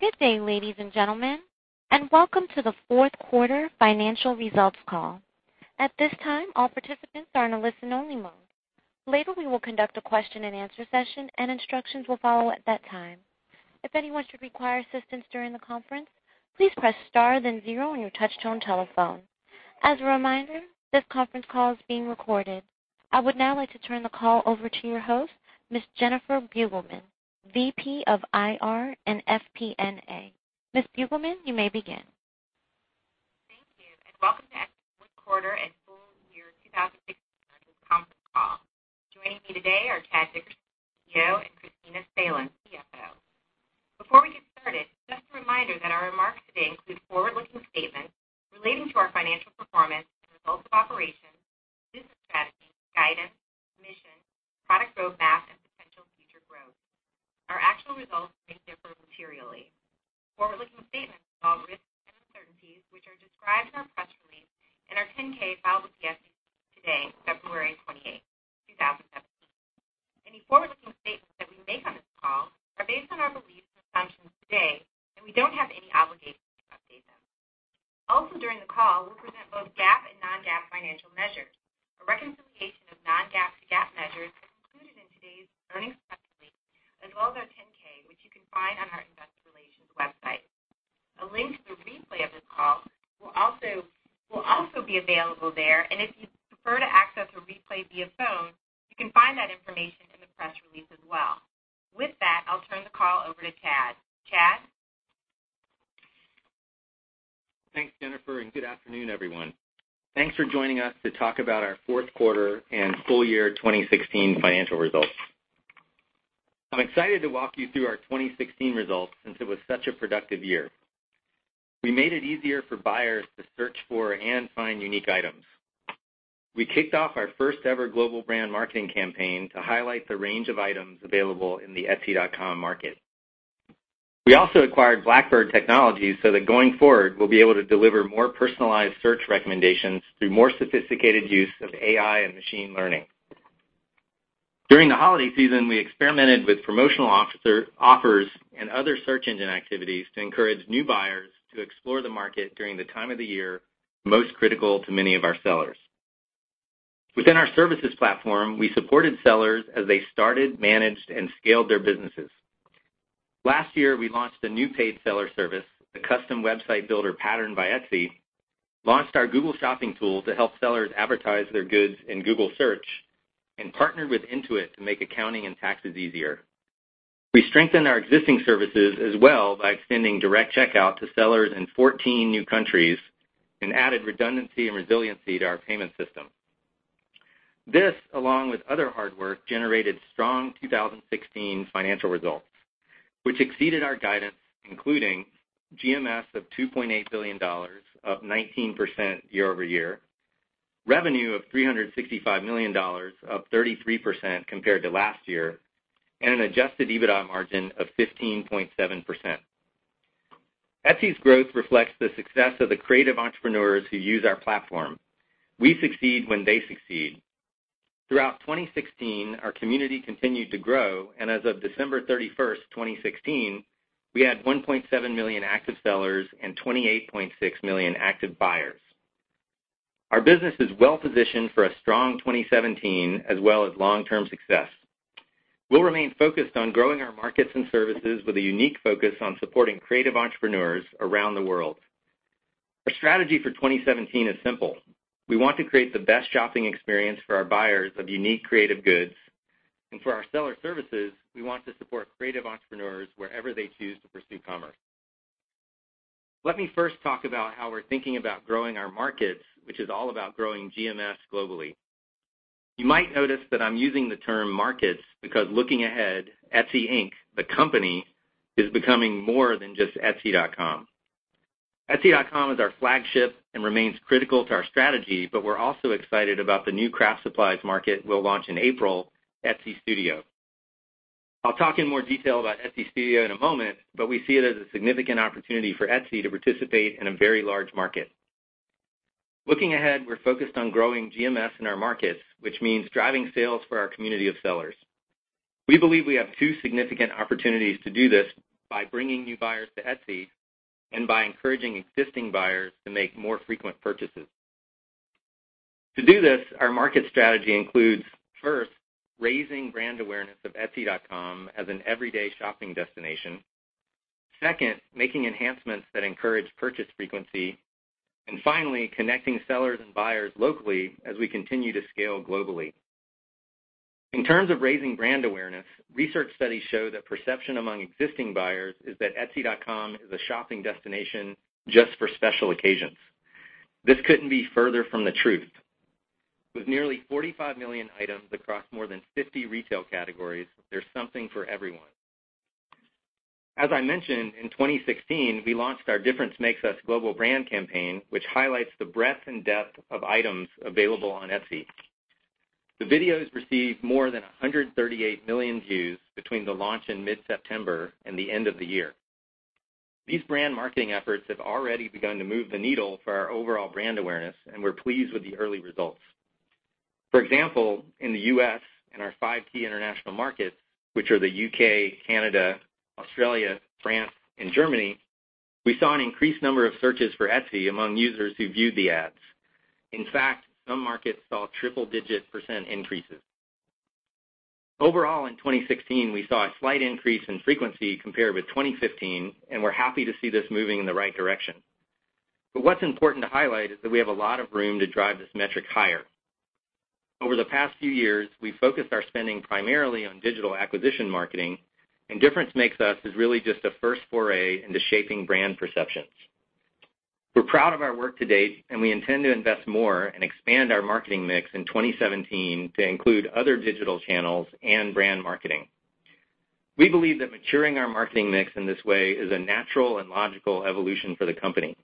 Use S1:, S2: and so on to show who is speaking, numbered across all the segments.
S1: Good day, ladies and gentlemen, welcome to the fourth quarter financial results call. At this time, all participants are in a listen-only mode. Later, we will conduct a question and answer session, instructions will follow at that time. If anyone should require assistance during the conference, please press star then 0 on your touchtone telephone. As a reminder, this conference call is being recorded. I would now like to turn the call over to your host, Miss Jennifer Beugelman, VP of IR and FP&A. Miss Beugelman, you may begin.
S2: Thank you, welcome to Etsy's fourth quarter and full year 2016 earnings conference call. Joining me today are Chad Dickerson, CEO, and Kristina Salen, CFO. Before we get started, just a reminder that our remarks today include forward-looking statements relating to our financial performance and results of operations, business strategy, guidance, mission, product roadmap, and potential future growth. Our actual results may differ materially. Forward-looking statements involve risks and uncertainties which are described in our press release and our 10-K filed with the SEC today, February 28, 2017. Any forward-looking statements that we make on this call are based on our beliefs and assumptions today, we don't have any obligation to update them. Also, during the call, we'll present both GAAP and non-GAAP financial measures. A reconciliation of non-GAAP to GAAP measures is included in today's earnings press release, as well as our 10-K, which you can find on our investor relations website. A link to the replay of this call will also be available there, if you prefer to access a replay via phone, you can find that information in the press release as well. With that, I'll turn the call over to Chad. Chad?
S3: Thanks, Jennifer, good afternoon, everyone. Thanks for joining us to talk about our fourth quarter and full year 2016 financial results. I'm excited to walk you through our 2016 results since it was such a productive year. We made it easier for buyers to search for and find unique items. We kicked off our first-ever global brand marketing campaign to highlight the range of items available in the etsy.com market. We also acquired Blackbird Technologies so that going forward, we'll be able to deliver more personalized search recommendations through more sophisticated use of AI and machine learning. During the holiday season, we experimented with promotional offers and other search engine activities to encourage new buyers to explore the market during the time of the year most critical to many of our sellers. Within our services platform, we supported sellers as they started, managed, and scaled their businesses. Last year, we launched a new paid seller service, the custom website builder Pattern by Etsy, launched our Google Shopping tool to help sellers advertise their goods in Google Search, and partnered with Intuit to make accounting and taxes easier. We strengthened our existing services as well by extending Direct Checkout to sellers in 14 new countries and added redundancy and resiliency to our payment system. This, along with other hard work, generated strong 2016 financial results, which exceeded our guidance, including GMS of $2.8 billion, up 19% year-over-year, revenue of $365 million, up 33% compared to last year, and an adjusted EBITDA margin of 15.7%. Etsy's growth reflects the success of the creative entrepreneurs who use our platform. We succeed when they succeed. Throughout 2016, our community continued to grow, and as of December 31st, 2016, we had 1.7 million active sellers and 28.6 million active buyers. Our business is well positioned for a strong 2017 as well as long-term success. We'll remain focused on growing our markets and services with a unique focus on supporting creative entrepreneurs around the world. Our strategy for 2017 is simple. We want to create the best shopping experience for our buyers of unique creative goods. For our seller services, we want to support creative entrepreneurs wherever they choose to pursue commerce. Let me first talk about how we're thinking about growing our markets, which is all about growing GMS globally. You might notice that I'm using the term markets because looking ahead, Etsy, Inc., the company, is becoming more than just etsy.com. etsy.com is our flagship and remains critical to our strategy, but we're also excited about the new craft supplies market we'll launch in April, Etsy Studio. I'll talk in more detail about Etsy Studio in a moment, but we see it as a significant opportunity for Etsy to participate in a very large market. Looking ahead, we're focused on growing GMS in our markets, which means driving sales for our community of sellers. We believe we have two significant opportunities to do this by bringing new buyers to Etsy and by encouraging existing buyers to make more frequent purchases. To do this, our market strategy includes, first, raising brand awareness of etsy.com as an everyday shopping destination. Second, making enhancements that encourage purchase frequency. Finally, connecting sellers and buyers locally as we continue to scale globally. In terms of raising brand awareness, research studies show that perception among existing buyers is that etsy.com is a shopping destination just for special occasions. This couldn't be further from the truth. With nearly 45 million items across more than 50 retail categories, there's something for everyone. As I mentioned, in 2016, we launched our Difference Makes Us global brand campaign, which highlights the breadth and depth of items available on Etsy. The videos received more than 138 million views between the launch in mid-September and the end of the year. These brand marketing efforts have already begun to move the needle for our overall brand awareness, and we're pleased with the early results. For example, in the U.S. and our five key international markets, which are the U.K., Canada, Australia, France, and Germany, we saw an increased number of searches for Etsy among users who viewed the ads. In fact, some markets saw triple digit % increases. Overall, in 2016, we saw a slight increase in frequency compared with 2015, and we're happy to see this moving in the right direction. What's important to highlight is that we have a lot of room to drive this metric higher. Over the past few years, we've focused our spending primarily on digital acquisition marketing, and Difference Makes Us is really just a first foray into shaping brand perceptions. We're proud of our work to date, and we intend to invest more and expand our marketing mix in 2017 to include other digital channels and brand marketing. We believe that maturing our marketing mix in this way is a natural and logical evolution for the company.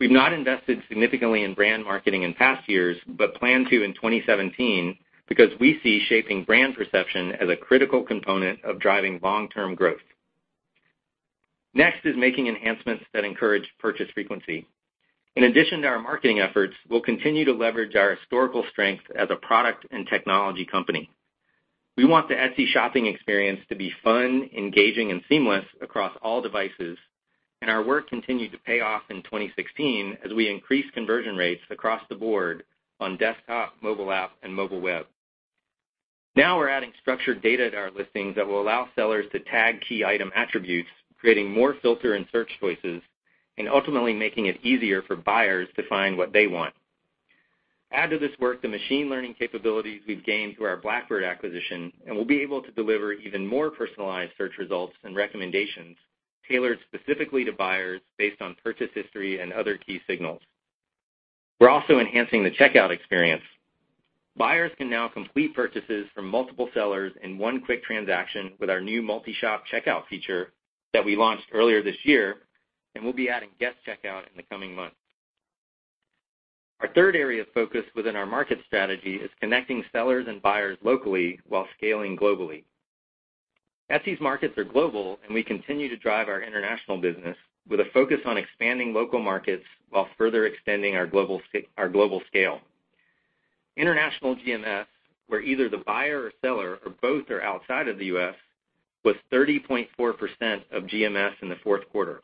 S3: We've not invested significantly in brand marketing in past years, but plan to in 2017 because we see shaping brand perception as a critical component of driving long-term growth. Next is making enhancements that encourage purchase frequency. In addition to our marketing efforts, we'll continue to leverage our historical strength as a product and technology company. We want the Etsy shopping experience to be fun, engaging, and seamless across all devices, and our work continued to pay off in 2016 as we increased conversion rates across the board on desktop, mobile app, and mobile web. Now we're adding structured data to our listings that will allow sellers to tag key item attributes, creating more filter and search choices, and ultimately making it easier for buyers to find what they want. Add to this work the machine learning capabilities we've gained through our Blackbird acquisition, and we'll be able to deliver even more personalized search results and recommendations tailored specifically to buyers based on purchase history and other key signals. We're also enhancing the checkout experience. Buyers can now complete purchases from multiple sellers in one quick transaction with our new multi shop checkout feature that we launched earlier this year, and we'll be adding guest checkout in the coming months. Our third area of focus within our market strategy is connecting sellers and buyers locally while scaling globally. Etsy's markets are global, and we continue to drive our international business with a focus on expanding local markets while further extending our global scale. International GMS, where either the buyer or seller or both are outside of the U.S., was 30.4% of GMS in the fourth quarter.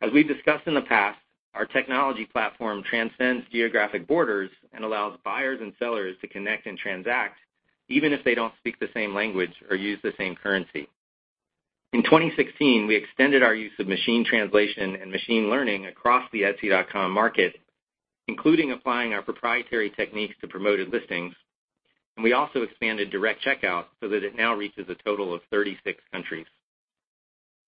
S3: As we've discussed in the past, our technology platform transcends geographic borders and allows buyers and sellers to connect and transact even if they don't speak the same language or use the same currency. In 2016, we extended our use of machine translation and machine learning across the etsy.com market, including applying our proprietary techniques to Promoted Listings, and we also expanded Direct Checkout so that it now reaches a total of 36 countries.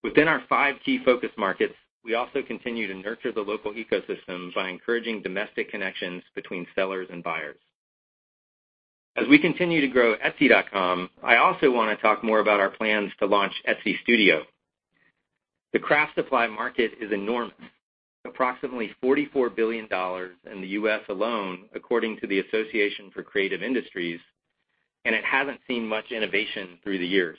S3: Within our five key focus markets, we also continue to nurture the local ecosystem by encouraging domestic connections between sellers and buyers. As we continue to grow etsy.com, I also want to talk more about our plans to launch Etsy Studio. The craft supply market is enormous. Approximately $44 billion in the U.S. alone, according to the Association for Creative Industries, and it hasn't seen much innovation through the years.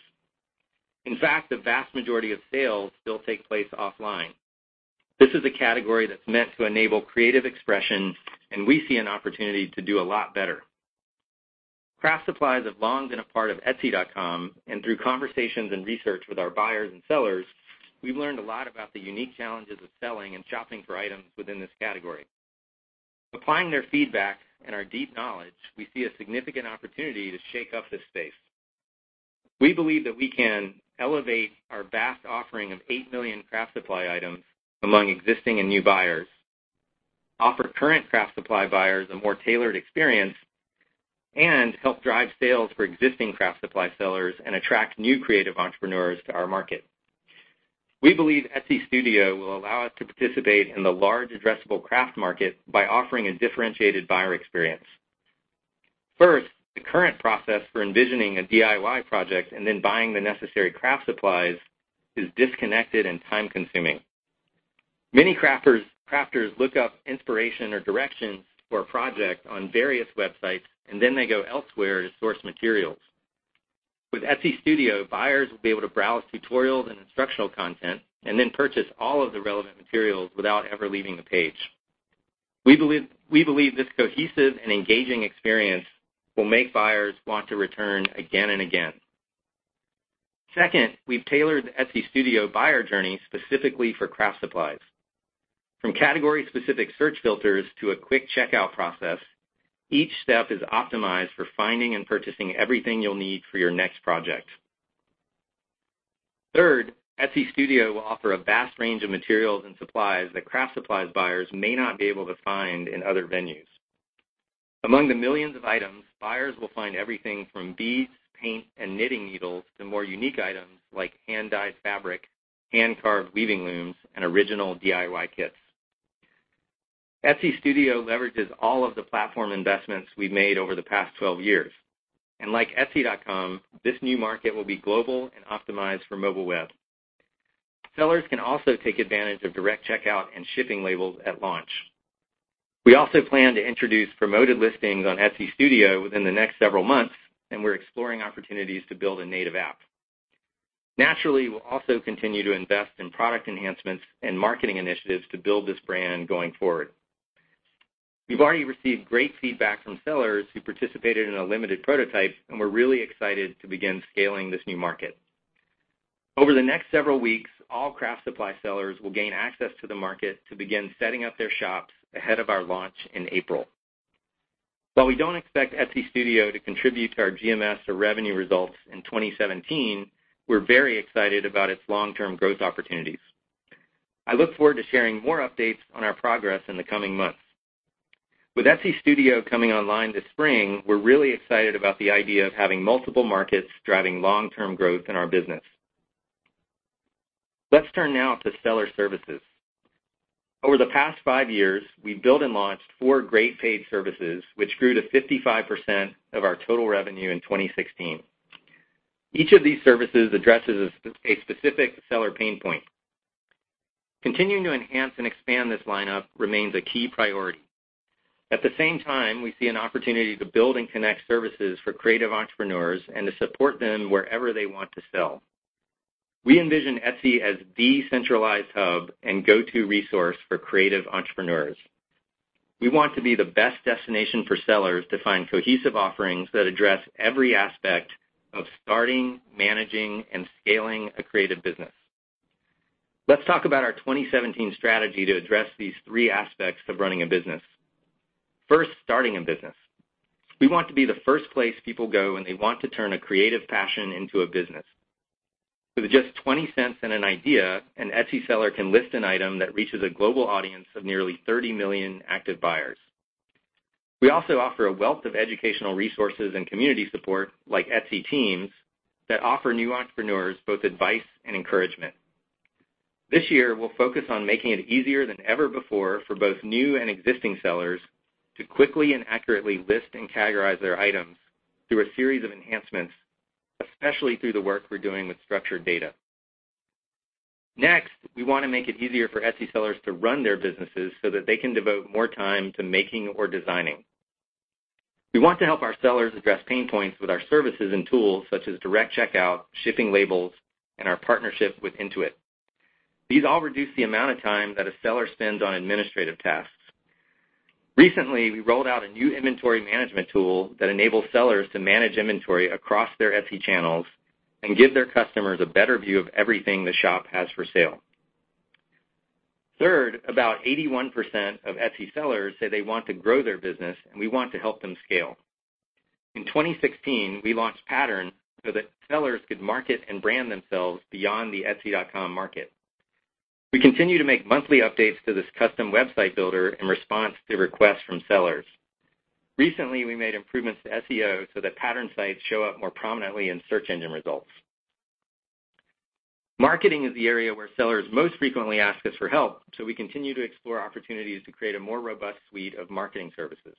S3: In fact, the vast majority of sales still take place offline. This is a category that's meant to enable creative expression, and we see an opportunity to do a lot better. Craft supplies have long been a part of etsy.com, through conversations and research with our buyers and sellers, we've learned a lot about the unique challenges of selling and shopping for items within this category. Applying their feedback and our deep knowledge, we see a significant opportunity to shake up this space. We believe that we can elevate our vast offering of 8 million craft supply items among existing and new buyers, offer current craft supply buyers a more tailored experience, and help drive sales for existing craft supply sellers and attract new creative entrepreneurs to our market. We believe Etsy Studio will allow us to participate in the large addressable craft market by offering a differentiated buyer experience. First, the current process for envisioning a DIY project and then buying the necessary craft supplies is disconnected and time-consuming. Many crafters look up inspiration or direction for a project on various websites, then they go elsewhere to source materials. With Etsy Studio, buyers will be able to browse tutorials and instructional content and then purchase all of the relevant materials without ever leaving the page. We believe this cohesive and engaging experience will make buyers want to return again and again. Second, we've tailored the Etsy Studio buyer journey specifically for craft supplies. From category specific search filters to a quick checkout process, each step is optimized for finding and purchasing everything you'll need for your next project. Third, Etsy Studio will offer a vast range of materials and supplies that craft supply buyers may not be able to find in other venues. Among the millions of items, buyers will find everything from beads, paint, and knitting needles to more unique items like hand-dyed fabric, hand-carved weaving looms, and original DIY kits. Etsy Studio leverages all of the platform investments we've made over the past 12 years. Like etsy.com, this new market will be global and optimized for mobile web. Sellers can also take advantage of Direct Checkout and shipping labels at launch. We also plan to introduce Promoted Listings on Etsy Studio within the next several months, we're exploring opportunities to build a native app. Naturally, we'll also continue to invest in product enhancements and marketing initiatives to build this brand going forward. We've already received great feedback from sellers who participated in a limited prototype, we're really excited to begin scaling this new market. Over the next several weeks, all craft supply sellers will gain access to the market to begin setting up their shops ahead of our launch in April. While we don't expect Etsy Studio to contribute to our GMS or revenue results in 2017, we're very excited about its long-term growth opportunities. I look forward to sharing more updates on our progress in the coming months. With Etsy Studio coming online this spring, we're really excited about the idea of having multiple markets driving long-term growth in our business. Let's turn now to seller services. Over the past five years, we've built and launched four great paid services, which grew to 55% of our total revenue in 2016. Each of these services addresses a specific seller pain point. Continuing to enhance and expand this lineup remains a key priority. At the same time, we see an opportunity to build and connect services for creative entrepreneurs and to support them wherever they want to sell. We envision Etsy as the centralized hub and go-to resource for creative entrepreneurs. We want to be the best destination for sellers to find cohesive offerings that address every aspect of starting, managing, and scaling a creative business. Let's talk about our 2017 strategy to address these three aspects of running a business. First, starting a business. We want to be the first place people go when they want to turn a creative passion into a business. With just $0.20 and an idea, an Etsy seller can list an item that reaches a global audience of nearly 30 million active buyers. We also offer a wealth of educational resources and community support, like Etsy Teams, that offer new entrepreneurs both advice and encouragement. This year, we'll focus on making it easier than ever before for both new and existing sellers to quickly and accurately list and categorize their items through a series of enhancements, especially through the work we're doing with structured data. Next, we want to make it easier for Etsy sellers to run their businesses so that they can devote more time to making or designing. We want to help our sellers address pain points with our services and tools, such as Direct Checkout, shipping labels, and our partnership with Intuit. These all reduce the amount of time that a seller spends on administrative tasks. Recently, we rolled out a new inventory management tool that enables sellers to manage inventory across their Etsy channels and give their customers a better view of everything the shop has for sale. Third, about 81% of Etsy sellers say they want to grow their business, and we want to help them scale. In 2016, we launched Pattern so that sellers could market and brand themselves beyond the etsy.com market. We continue to make monthly updates to this custom website builder in response to requests from sellers. Recently, we made improvements to SEO so that Pattern sites show up more prominently in search engine results. Marketing is the area where sellers most frequently ask us for help, so we continue to explore opportunities to create a more robust suite of marketing services.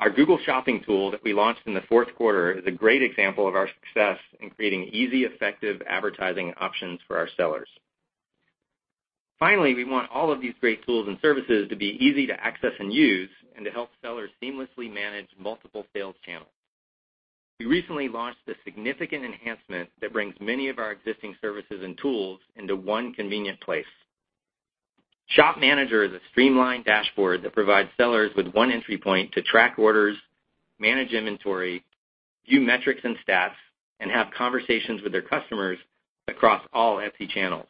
S3: Our Google Shopping tool that we launched in the fourth quarter is a great example of our success in creating easy, effective advertising options for our sellers. Finally, we want all of these great tools and services to be easy to access and use and to help sellers seamlessly manage multiple sales channels. We recently launched a significant enhancement that brings many of our existing services and tools into one convenient place. Shop Manager is a streamlined dashboard that provides sellers with one entry point to track orders, manage inventory, view metrics and stats, and have conversations with their customers across all Etsy channels.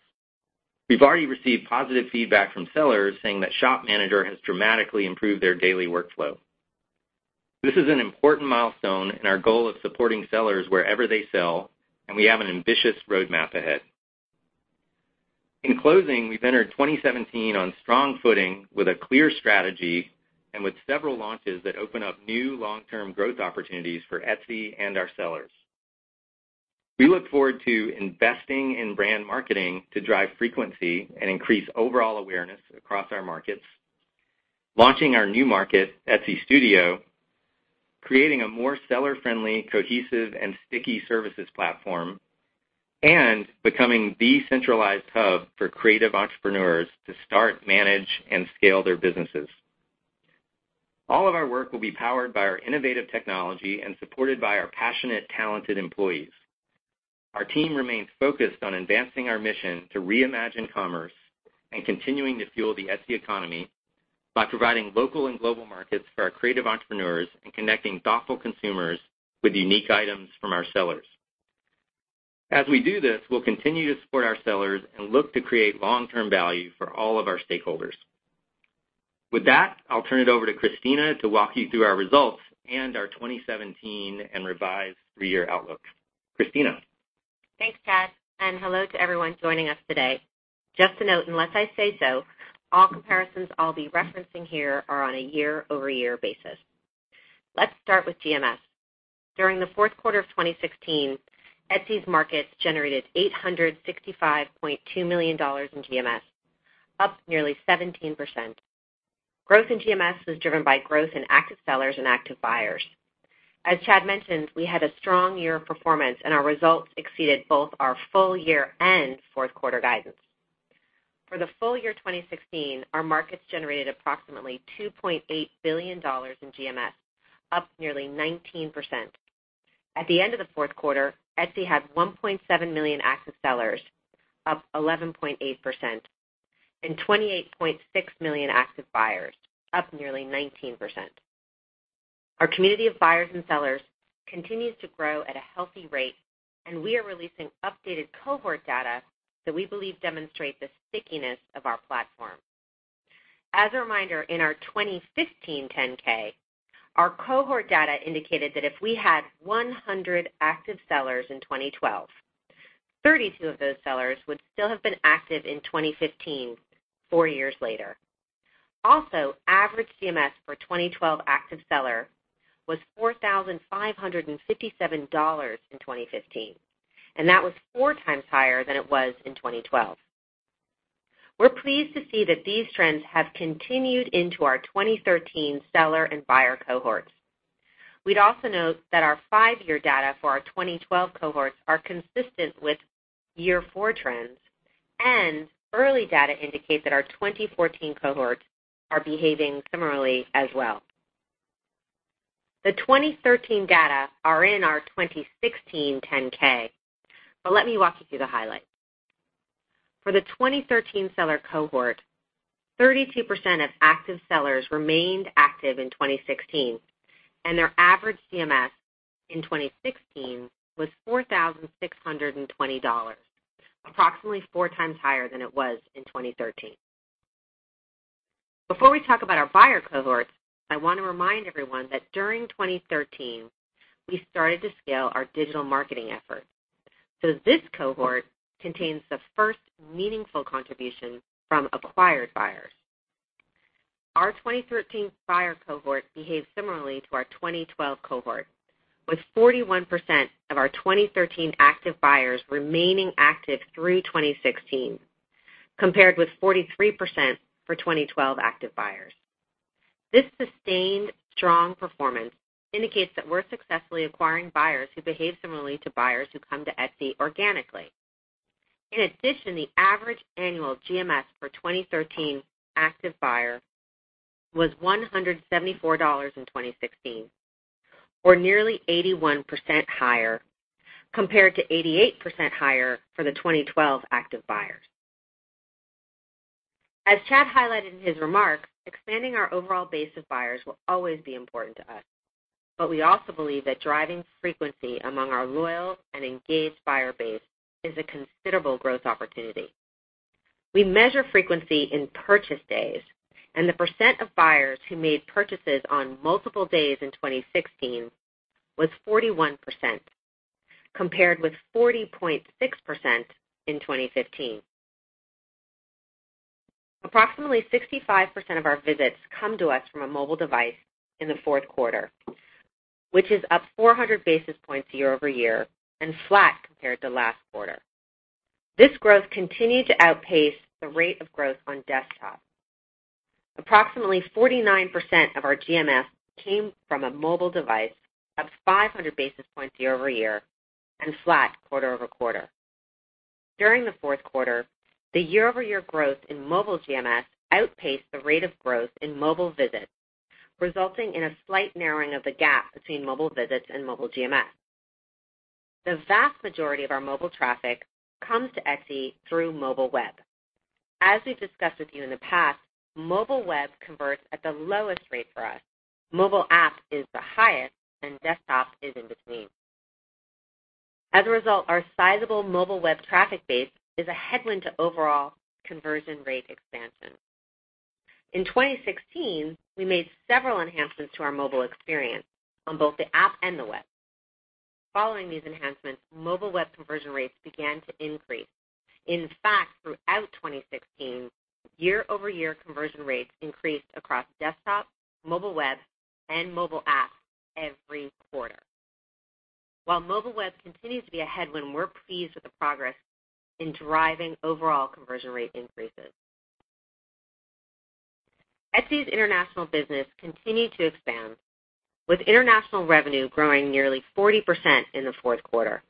S3: We've already received positive feedback from sellers saying that Shop Manager has dramatically improved their daily workflow. This is an important milestone in our goal of supporting sellers wherever they sell, and we have an ambitious roadmap ahead. In closing, we've entered 2017 on strong footing, with a clear strategy, and with several launches that open up new long-term growth opportunities for Etsy and our sellers. We look forward to investing in brand marketing to drive frequency and increase overall awareness across our markets, launching our new market, Etsy Studio, creating a more seller-friendly, cohesive, and sticky services platform, and becoming the centralized hub for creative entrepreneurs to start, manage, and scale their businesses. All of our work will be powered by our innovative technology and supported by our passionate, talented employees. Our team remains focused on advancing our mission to reimagine commerce and continuing to fuel the Etsy economy by providing local and global markets for our creative entrepreneurs and connecting thoughtful consumers with unique items from our sellers. As we do this, we'll continue to support our sellers and look to create long-term value for all of our stakeholders. With that, I'll turn it over to Kristina to walk you through our results and our 2017 and revised three-year outlook. Kristina?
S4: Thanks, Chad, Hello to everyone joining us today. Just to note, unless I say so, all comparisons I'll be referencing here are on a year-over-year basis. Let's start with GMS. During the fourth quarter of 2016, Etsy's markets generated $865.2 million in GMS, up nearly 17%. Growth in GMS was driven by growth in active sellers and active buyers. As Chad mentioned, we had a strong year of performance, Our results exceeded both our full year and fourth quarter guidance. For the full year 2016, our markets generated approximately $2.8 billion in GMS, up nearly 19%. At the end of the fourth quarter, Etsy had 1.7 million active sellers, up 11.8%, and 28.6 million active buyers, up nearly 19%. Our community of buyers and sellers continues to grow at a healthy rate, We are releasing updated cohort data that we believe demonstrate the stickiness of our platform. As a reminder, in our 2015 10-K, our cohort data indicated that if we had 100 active sellers in 2012, 32 of those sellers would still have been active in 2015, four years later. Average GMS for 2012 active seller was $4,557 in 2015, That was four times higher than it was in 2012. We're pleased to see that these trends have continued into our 2013 seller and buyer cohorts. We'd also note that our five-year data for our 2012 cohorts are consistent with year four trends, Early data indicate that our 2014 cohorts are behaving similarly as well. The 2013 data are in our 2016 10-K, Let me walk you through the highlights. For the 2013 seller cohort, 32% of active sellers remained active in 2016, Their average GMS in 2016 was $4,620, approximately four times higher than it was in 2013. Before we talk about our buyer cohorts, I want to remind everyone that during 2013, we started to scale our digital marketing efforts. This cohort contains the first meaningful contribution from acquired buyers. Our 2013 buyer cohort behaved similarly to our 2012 cohort, with 41% of our 2013 active buyers remaining active through 2016, compared with 43% for 2012 active buyers. This sustained strong performance indicates that we're successfully acquiring buyers who behave similarly to buyers who come to Etsy organically. The average annual GMS for 2013 active buyer was $174 in 2016, or nearly 81% higher, compared to 88% higher for the 2012 active buyers. As Chad highlighted in his remarks, expanding our overall base of buyers will always be important to us, We also believe that driving frequency among our loyal and engaged buyer base is a considerable growth opportunity. We measure frequency in purchase days, and the percent of buyers who made purchases on multiple days in 2016 was 41%, compared with 40.6% in 2015. Approximately 65% of our visits come to us from a mobile device in the fourth quarter, which is up 400 basis points year-over-year and flat compared to last quarter. This growth continued to outpace the rate of growth on desktop. Approximately 49% of our GMS came from a mobile device, up 500 basis points year-over-year and flat quarter-over-quarter. During the fourth quarter, the year-over-year growth in mobile GMS outpaced the rate of growth in mobile visits, resulting in a slight narrowing of the gap between mobile visits and mobile GMS. The vast majority of our mobile traffic comes to Etsy through mobile web. As we've discussed with you in the past, mobile web converts at the lowest rate for us. Mobile app is the highest, and desktop is in between. As a result, our sizable mobile web traffic base is a headwind to overall conversion rate expansion. In 2016, we made several enhancements to our mobile experience on both the app and the web. Following these enhancements, mobile web conversion rates began to increase. In fact, throughout 2016, year-over-year conversion rates increased across desktop, mobile web, and mobile app every quarter. While mobile web continues to be a headwind, we're pleased with the progress in driving overall conversion rate increases. Etsy's international business continued to expand, with international revenue growing nearly 40% in the fourth quarter.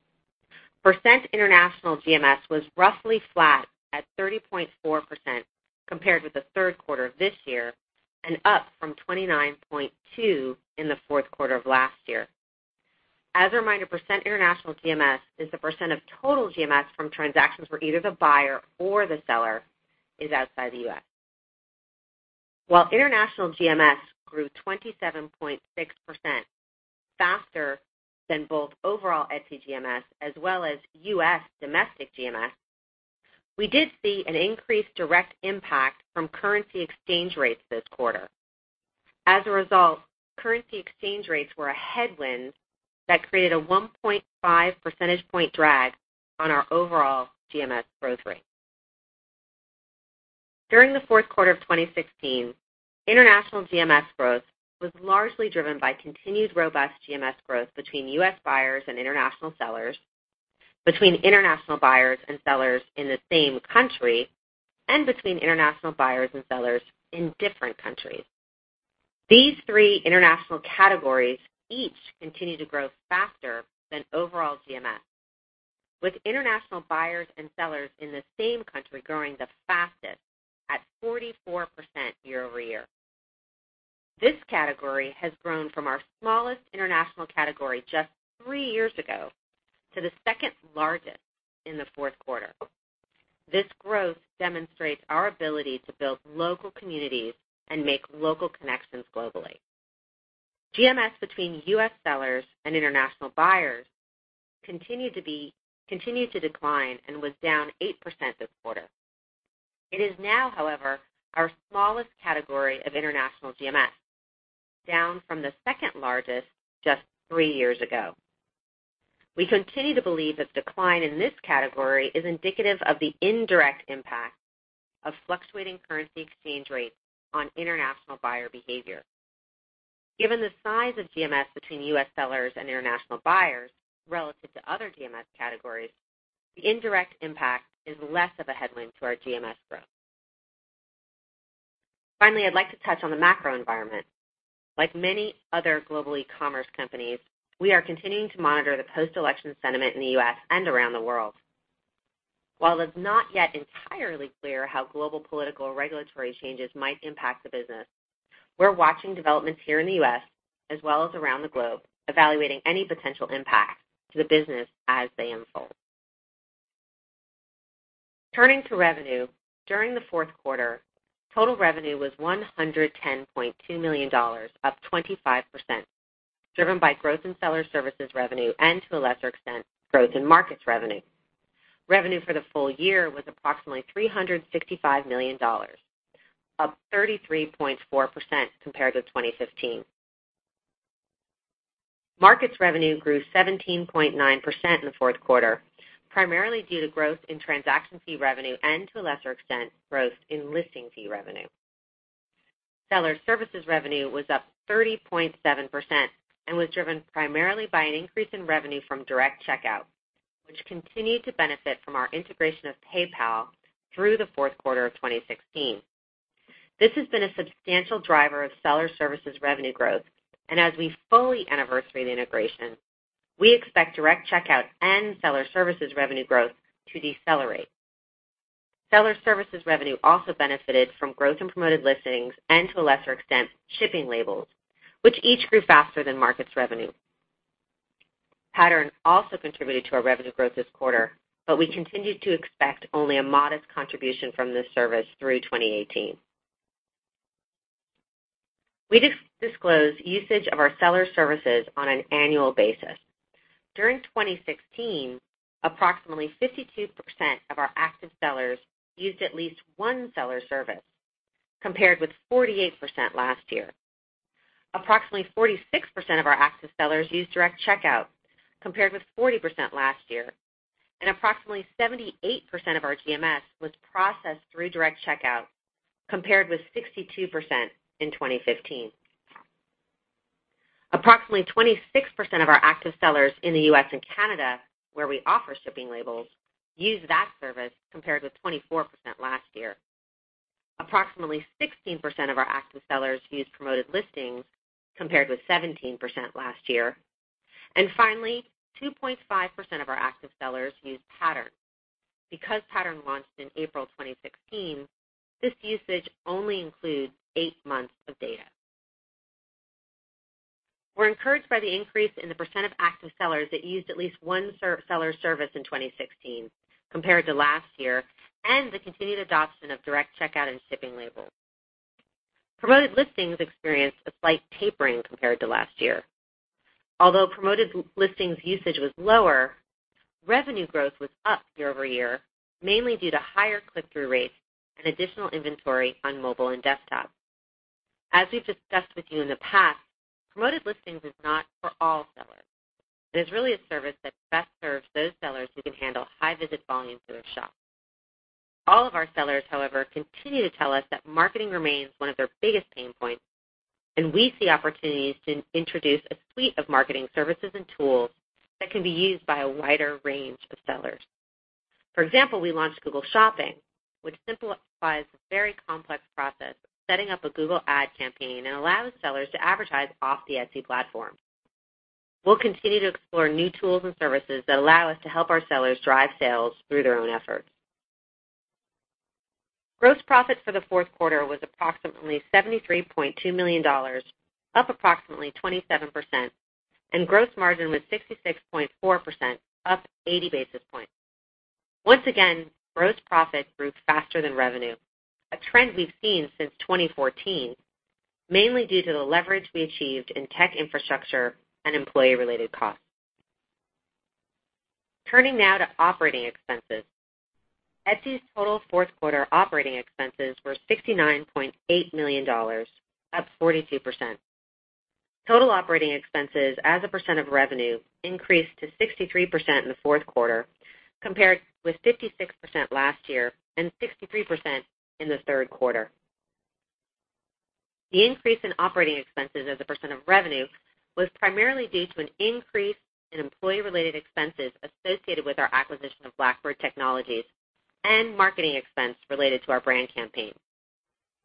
S4: Percent international GMS was roughly flat at 30.4% compared with the third quarter of this year and up from 29.2% in the fourth quarter of last year. As a reminder, percent international GMS is the percent of total GMS from transactions where either the buyer or the seller is outside the U.S. While international GMS grew 27.6% faster than both overall Etsy GMS as well as U.S. domestic GMS, we did see an increased direct impact from currency exchange rates this quarter. As a result, currency exchange rates were a headwind that created a 1.5 percentage point drag on our overall GMS growth rate. During the fourth quarter of 2016, international GMS growth was largely driven by continued robust GMS growth between U.S. buyers and international sellers, between international buyers and sellers in the same country, and between international buyers and sellers in different countries. These three international categories each continue to grow faster than overall GMS. With international buyers and sellers in the same country growing the fastest at 44% year-over-year. This category has grown from our smallest international category just three years ago to the second largest in the fourth quarter. This growth demonstrates our ability to build local communities and make local connections globally. GMS between U.S. sellers and international buyers continued to decline and was down 8% this quarter. It is now, however, our smallest category of international GMS, down from the second largest just three years ago. We continue to believe that the decline in this category is indicative of the indirect impact of fluctuating currency exchange rates on international buyer behavior. Given the size of GMS between U.S. sellers and international buyers relative to other GMS categories, the indirect impact is less of a headwind to our GMS growth. Finally, I'd like to touch on the macro environment. Like many other global e-commerce companies, we are continuing to monitor the post-election sentiment in the U.S. and around the world. While it is not yet entirely clear how global political or regulatory changes might impact the business, we're watching developments here in the U.S. as well as around the globe, evaluating any potential impact to the business as they unfold. Turning to revenue, during the fourth quarter, total revenue was $110.2 million, up 25%, driven by growth in seller services revenue, and to a lesser extent, growth in markets revenue. Revenue for the full year was approximately $365 million, up 33.4% compared to 2015. Markets revenue grew 17.9% in the fourth quarter, primarily due to growth in transaction fee revenue and to a lesser extent, growth in listing fee revenue. Seller services revenue was up 30.7% and was driven primarily by an increase in revenue from Direct Checkout, which continued to benefit from our integration of PayPal through the fourth quarter of 2016. This has been a substantial driver of seller services revenue growth, and as we fully anniversary the integration, we expect Direct Checkout and seller services revenue growth to decelerate. Seller services revenue also benefited from growth in Promoted Listings and to a lesser extent, shipping labels, which each grew faster than markets revenue. Pattern also contributed to our revenue growth this quarter, but we continued to expect only a modest contribution from this service through 2018. We disclose usage of our seller services on an annual basis. During 2016, approximately 52% of our active sellers used at least one seller service, compared with 48% last year. Approximately 46% of our active sellers used Direct Checkout, compared with 40% last year. Approximately 78% of our GMS was processed through Direct Checkout, compared with 62% in 2015. Approximately 26% of our active sellers in the U.S. and Canada, where we offer shipping labels, used that service, compared with 24% last year. Approximately 16% of our active sellers used Promoted Listings, compared with 17% last year. Finally, 2.5% of our active sellers used Pattern. Because Pattern launched in April 2016, this usage only includes eight months of data. We're encouraged by the increase in the percent of active sellers that used at least one seller service in 2016 compared to last year, and the continued adoption of Direct Checkout and shipping labels. Promoted Listings experienced a slight tapering compared to last year. Although Promoted Listings usage was lower, revenue growth was up year-over-year, mainly due to higher click-through rates and additional inventory on mobile and desktop. As we've discussed with you in the past, Promoted Listings is not for all sellers. It is really a service that best serves those sellers who can handle high visit volumes to their shop. All of our sellers, however, continue to tell us that marketing remains one of their biggest pain points, and we see opportunities to introduce a suite of marketing services and tools that can be used by a wider range of sellers. For example, we launched Google Shopping, which simplifies a very complex process of setting up a Google Ad campaign and allows sellers to advertise off the Etsy platform. We'll continue to explore new tools and services that allow us to help our sellers drive sales through their own efforts. Gross profit for the fourth quarter was approximately $73.2 million, up approximately 27%, and gross margin was 66.4%, up 80 basis points. Once again, gross profit grew faster than revenue, a trend we've seen since 2014, mainly due to the leverage we achieved in tech infrastructure and employee-related costs. Turning now to operating expenses. Etsy's total fourth-quarter operating expenses were $69.8 million, up 42%. Total operating expenses as a percent of revenue increased to 63% in the fourth quarter, compared with 56% last year and 63% in the third quarter. The increase in operating expenses as a percent of revenue was primarily due to an increase in employee-related expenses associated with our acquisition of Blackbird Technologies and marketing expense related to our brand campaign.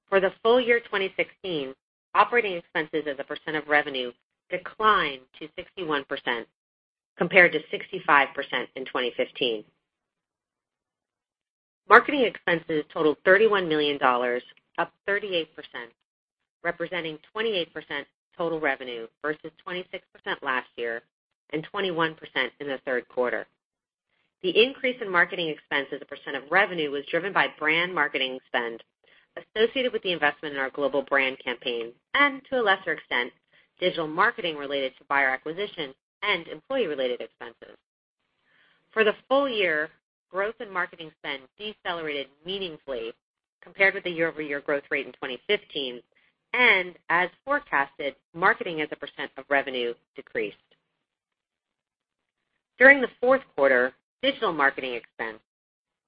S4: For the full year 2016, operating expenses as a percent of revenue declined to 61%, compared to 65% in 2015. Marketing expenses totaled $31 million, up 38%, representing 28% total revenue versus 26% last year and 21% in the third quarter. The increase in marketing expense as a percent of revenue was driven by brand marketing spend associated with the investment in our global brand campaign and, to a lesser extent, digital marketing related to buyer acquisition and employee-related expenses. For the full year, growth in marketing spend decelerated meaningfully compared with the year-over-year growth rate in 2015, and as forecasted, marketing as a percent of revenue decreased. During the fourth quarter, digital marketing expense,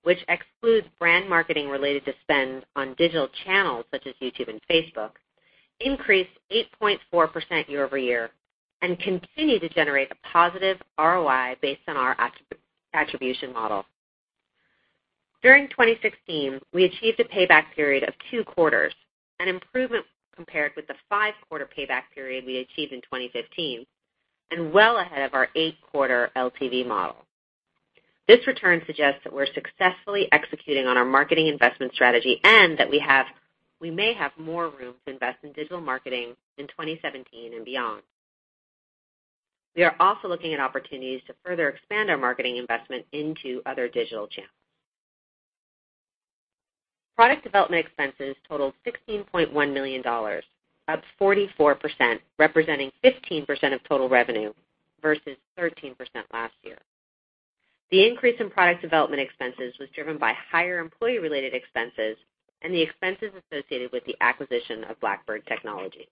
S4: which excludes brand marketing related to spend on digital channels such as YouTube and Facebook, increased 8.4% year-over-year and continued to generate a positive ROI based on our attribution model. During 2016, we achieved a payback period of two quarters, an improvement compared with the five-quarter payback period we achieved in 2015, and well ahead of our eight-quarter LTV model. This return suggests that we're successfully executing on our marketing investment strategy and that we may have more room to invest in digital marketing in 2017 and beyond. We are also looking at opportunities to further expand our marketing investment into other digital channels. Product development expenses totaled $16.1 million, up 44%, representing 15% of total revenue versus 13% last year. The increase in product development expenses was driven by higher employee-related expenses and the expenses associated with the acquisition of Blackbird Technologies.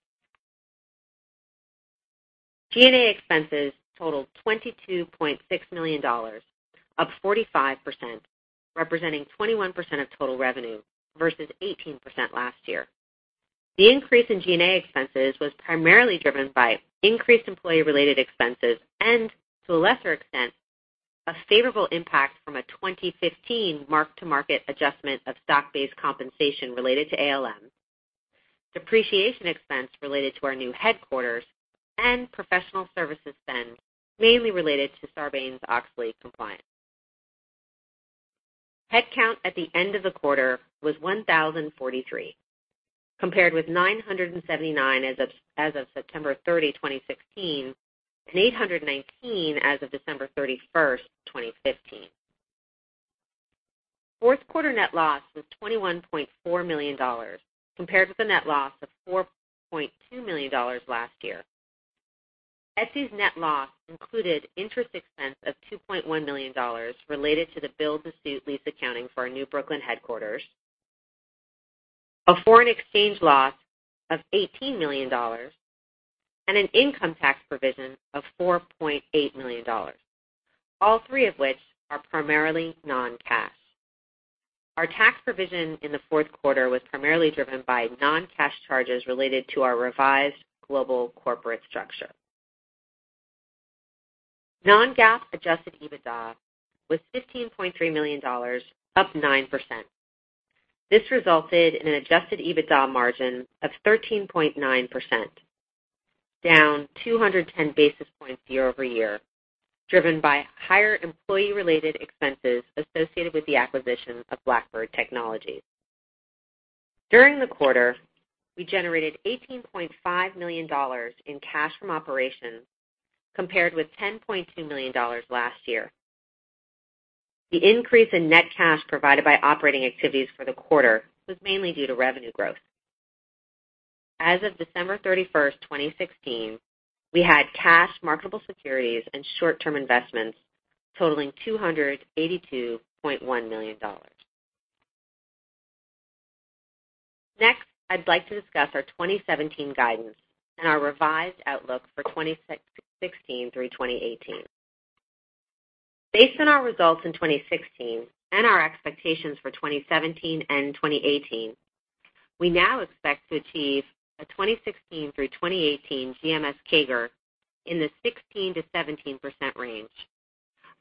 S4: G&A expenses totaled $22.6 million, up 45%, representing 21% of total revenue versus 18% last year. The increase in G&A expenses was primarily driven by increased employee-related expenses and, to a lesser extent, a favorable impact from a 2015 mark-to-market adjustment of stock-based compensation related to ALM, depreciation expense related to our new headquarters, and professional services spend, mainly related to Sarbanes-Oxley compliance. Headcount at the end of the quarter was 1,043, compared with 979 as of September 30, 2016, and 819 as of December 31st, 2015. Fourth quarter net loss was $21.4 million, compared with a net loss of $4.2 million last year. Etsy's net loss included interest expense of $2.1 million related to the build-to-suit lease accounting for our new Brooklyn headquarters, a foreign exchange loss of $18 million, and an income tax provision of $4.8 million, all three of which are primarily non-cash. Our tax provision in the fourth quarter was primarily driven by non-cash charges related to our revised global corporate structure. Non-GAAP adjusted EBITDA was $15.3 million, up 9%. This resulted in an adjusted EBITDA margin of 13.9%, down 210 basis points year-over-year, driven by higher employee-related expenses associated with the acquisition of Blackbird Technologies. During the quarter, we generated $18.5 million in cash from operations, compared with $10.2 million last year. The increase in net cash provided by operating activities for the quarter was mainly due to revenue growth. As of December 31st, 2016, we had cash, marketable securities, and short-term investments totaling $282.1 million. I'd like to discuss our 2017 guidance and our revised outlook for 2016 through 2018. Based on our results in 2016 and our expectations for 2017 and 2018, we now expect to achieve a 2016 through 2018 GMS CAGR in the 16%-17% range,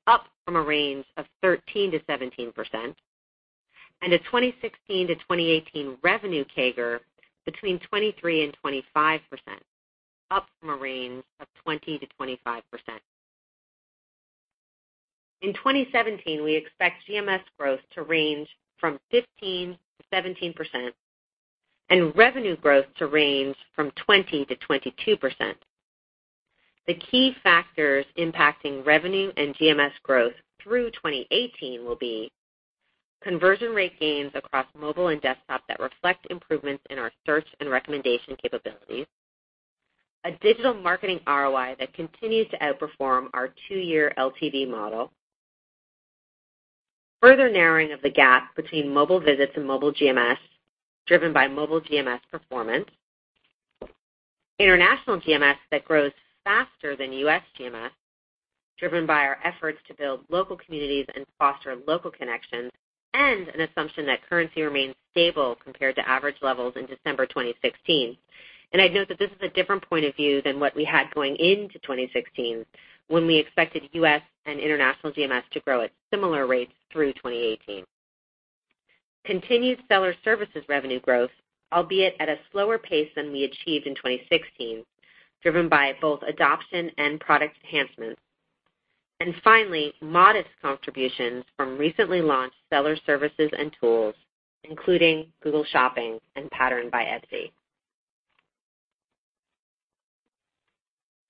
S4: up from a range of 13%-17%, and a 2016 to 2018 revenue CAGR between 23% and 25%, up from a range of 20%-25%. In 2017, we expect GMS growth to range from 15%-17% and revenue growth to range from 20%-22%. The key factors impacting revenue and GMS growth through 2018 will be conversion rate gains across mobile and desktop that reflect improvements in our search and recommendation capabilities, a digital marketing ROI that continues to outperform our two-year LTV model, further narrowing of the gap between mobile visits and mobile GMS driven by mobile GMS performance, international GMS that grows faster than U.S. GMS, driven by our efforts to build local communities and foster local connections, and an assumption that currency remains stable compared to average levels in December 2016. I'd note that this is a different point of view than what we had going into 2016, when we expected U.S. and international GMS to grow at similar rates through 2018. Continued seller services revenue growth, albeit at a slower pace than we achieved in 2016, driven by both adoption and product enhancements. Finally, modest contributions from recently launched seller services and tools, including Google Shopping and Pattern by Etsy.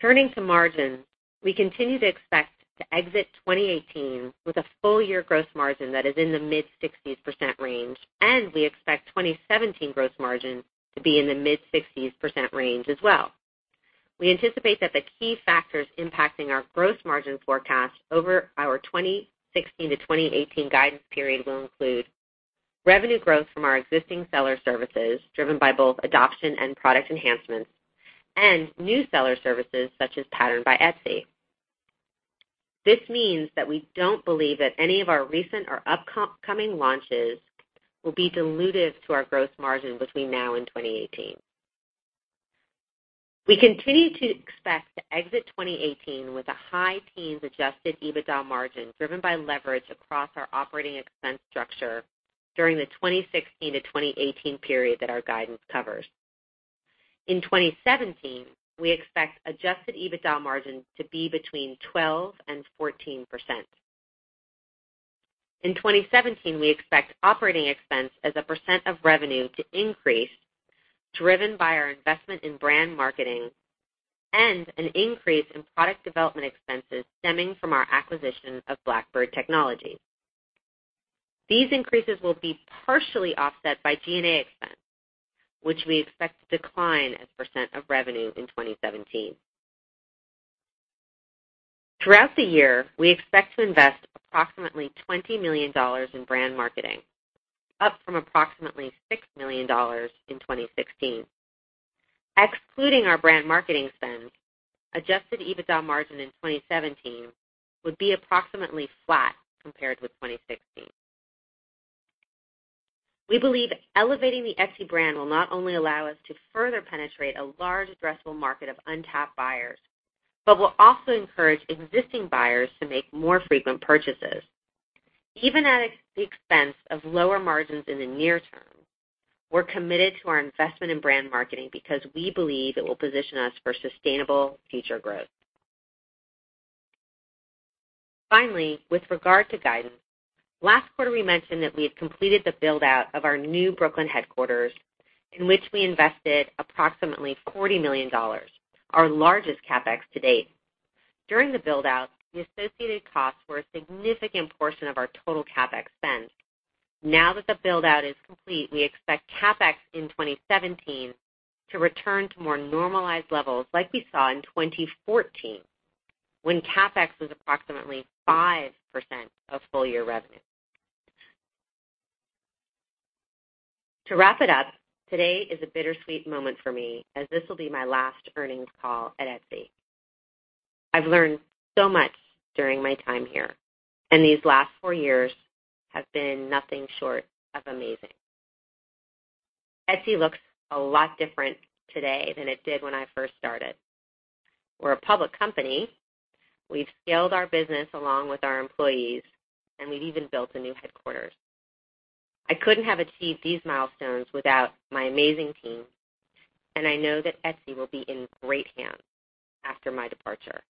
S4: Turning to margins, we continue to expect to exit 2018 with a full-year gross margin that is in the mid-60s% range, and we expect 2017 gross margin to be in the mid-60s% range as well. We anticipate that the key factors impacting our gross margin forecast over our 2016 to 2018 guidance period will include revenue growth from our existing seller services, driven by both adoption and product enhancements, and new seller services such as Pattern by Etsy. This means that we don't believe that any of our recent or upcoming launches will be dilutive to our gross margin between now and 2018. We continue to expect to exit 2018 with a high teens adjusted EBITDA margin, driven by leverage across our operating expense structure during the 2016 to 2018 period that our guidance covers. In 2017, we expect adjusted EBITDA margin to be between 12% and 14%. In 2017, we expect operating expense as a % of revenue to increase, driven by our investment in brand marketing and an increase in product development expenses stemming from our acquisition of Blackbird Technologies. These increases will be partially offset by G&A expense, which we expect to decline as a % of revenue in 2017. Throughout the year, we expect to invest approximately $20 million in brand marketing, up from approximately $6 million in 2016. Excluding our brand marketing spend, adjusted EBITDA margin in 2017 would be approximately flat compared with 2016. We believe elevating the Etsy brand will not only allow us to further penetrate a large addressable market of untapped buyers, but will also encourage existing buyers to make more frequent purchases. Even at the expense of lower margins in the near term, we're committed to our investment in brand marketing because we believe it will position us for sustainable future growth. Finally, with regard to guidance, last quarter we mentioned that we had completed the build-out of our new Brooklyn headquarters, in which we invested approximately $40 million, our largest CapEx to date. During the build-out, the associated costs were a significant portion of our total CapEx spend. Now that the build-out is complete, we expect CapEx in 2017 to return to more normalized levels like we saw in 2014, when CapEx was approximately 5% of full-year revenue. To wrap it up, today is a bittersweet moment for me, as this will be my last earnings call at Etsy. I've learned so much during my time here, and these last four years have been nothing short of amazing. Etsy looks a lot different today than it did when I first started. We're a public company. We've scaled our business along with our employees, and we've even built a new headquarters. I couldn't have achieved these milestones without my amazing team, and I know that Etsy will be in great hands after my departure.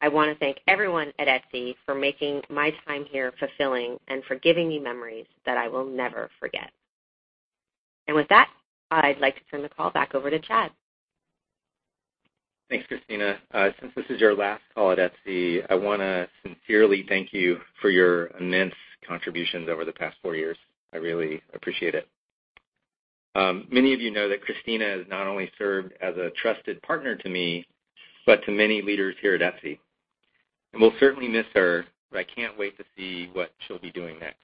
S4: I want to thank everyone at Etsy for making my time here fulfilling and for giving me memories that I will never forget. With that, I'd like to turn the call back over to Chad.
S3: Thanks, Kristina. Since this is your last call at Etsy, I want to sincerely thank you for your immense contributions over the past four years. I really appreciate it. Many of you know that Kristina has not only served as a trusted partner to me, but to many leaders here at Etsy. We'll certainly miss her, but I can't wait to see what she'll be doing next.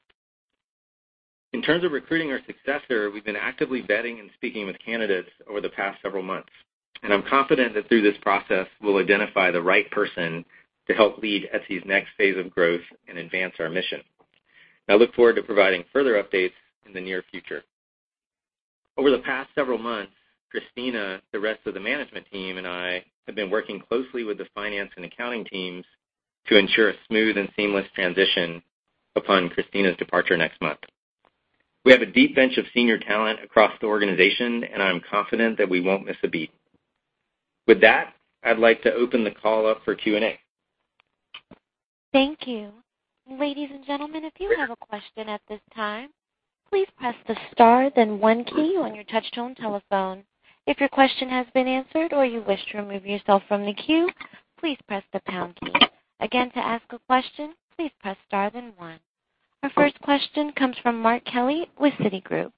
S3: In terms of recruiting her successor, we've been actively vetting and speaking with candidates over the past several months. I'm confident that through this process, we'll identify the right person to help lead Etsy's next phase of growth and advance our mission. I look forward to providing further updates in the near future. Over the past several months, Kristina, the rest of the management team, and I have been working closely with the finance and accounting teams to ensure a smooth and seamless transition upon Kristina's departure next month. We have a deep bench of senior talent across the organization, and I'm confident that we won't miss a beat. With that, I'd like to open the call up for Q&A.
S1: Thank you. Ladies and gentlemen, if you have a question at this time, please press the star then one key on your touchtone telephone. If your question has been answered or you wish to remove yourself from the queue, please press the pound key. Again, to ask a question, please press star then one. Our first question comes from Mark Kelley with Citigroup.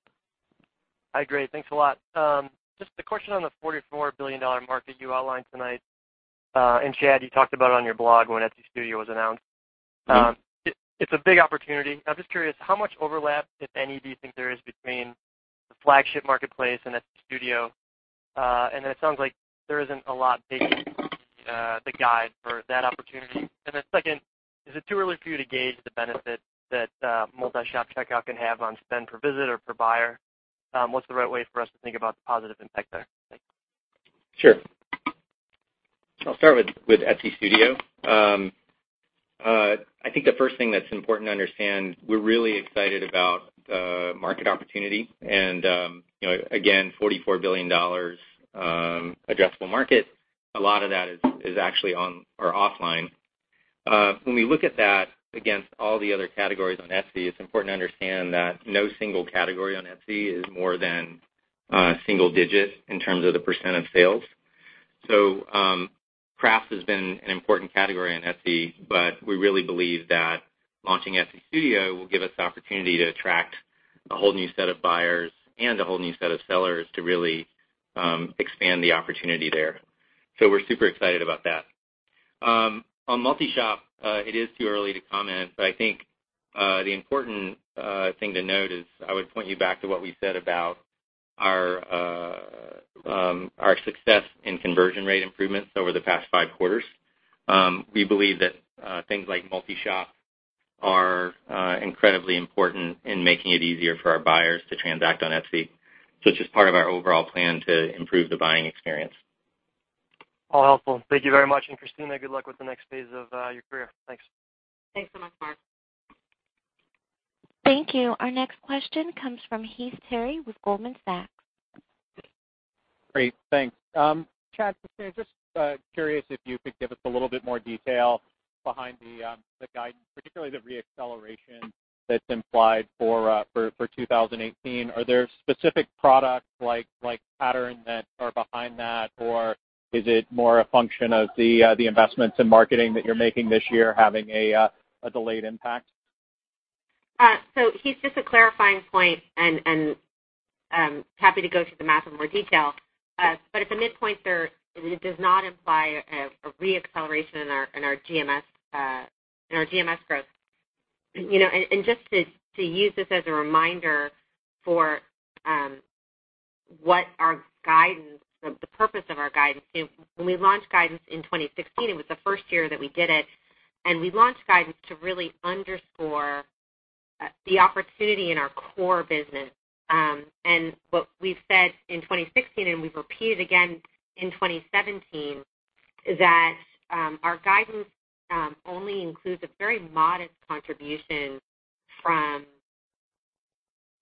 S5: Hi, great. Thanks a lot. Just a question on the $44 billion market you outlined tonight. Chad, you talked about on your blog when Etsy Studio was announced. It's a big opportunity. I'm just curious how much overlap, if any, do you think there is between the flagship marketplace and Etsy Studio? It sounds like there isn't a lot baked into the guide for that opportunity. Second, is it too early for you to gauge the benefit that multi-shop checkout can have on spend per visit or per buyer? What's the right way for us to think about the positive impact there? Thanks.
S3: Sure. I'll start with Etsy Studio. I think the first thing that's important to understand, we're really excited about the market opportunity and again, $44 billion addressable market, a lot of that is actually on our offline. When we look at that against all the other categories on Etsy, it's important to understand that no single category on Etsy is more than single digit in terms of the % of sales. Crafts has been an important category on Etsy, but we really believe that launching Etsy Studio will give us the opportunity to attract a whole new set of buyers and a whole new set of sellers to really expand the opportunity there. We're super excited about that. On multi-shop, it is too early to comment, but I think, the important thing to note is I would point you back to what we said about our success in conversion rate improvements over the past five quarters. We believe that things like multi-shop are incredibly important in making it easier for our buyers to transact on Etsy, such as part of our overall plan to improve the buying experience.
S5: All helpful. Thank you very much. Kristina, good luck with the next phase of your career. Thanks.
S4: Thanks so much, Mark.
S1: Thank you. Our next question comes from Heath Terry with Goldman Sachs.
S6: Great. Thanks. Chad, just curious if you could give us a little bit more detail behind the guidance, particularly the re-acceleration that is implied for 2018. Are there specific products like Pattern that are behind that, or is it more a function of the investments in marketing that you are making this year having a delayed impact?
S4: Heath, just a clarifying point, and happy to go through the math in more detail. At the midpoint there, it does not imply a re-acceleration in our GMS growth. Just to use this as a reminder for what our guidance, the purpose of our guidance. When we launched guidance in 2016, it was the first year that we did it, and we launched guidance to really underscore the opportunity in our core business. What we have said in 2016, and we have repeated again in 2017, that our guidance only includes a very modest contribution from